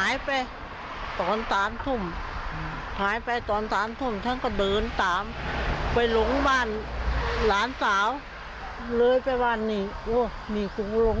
ย้ายไปขอลอง